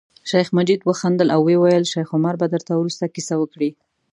شیخ مجید وخندل او ویل یې شیخ عمر به درته وروسته کیسه وکړي.